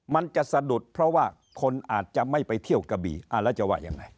มันจะสะดุดเพราะว่าคนอาจจะไม่ไปเที่ยวกะบี่แล้วจะว่ายังไง